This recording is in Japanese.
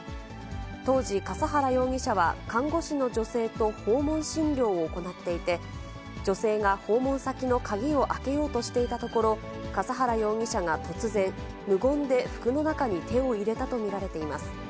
当時、笠原容疑者は看護師の女性と訪問診療を行っていて、女性が訪問先の鍵を開けようとしていたところ、笠原容疑者が突然、無言で服の中に手を入れたと見られています。